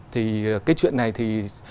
thì cái chuyện này thì